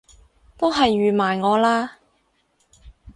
都係預埋我啦！